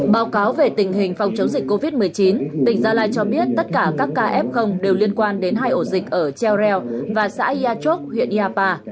báo cáo về tình hình phòng chống dịch covid một mươi chín tỉnh gia lai cho biết tất cả các ca f đều liên quan đến hai ổ dịch ở treo rèo và xã yachok huyện iapa